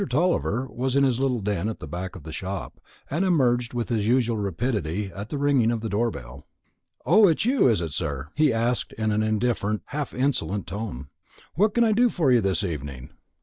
Tulliver was in his little den at the back of the shop, and emerged with his usual rapidity at the ringing of the door bell. "O, it's you, is it, sir?" he asked in an indifferent, half insolent tone. "What can I do for you this evening?"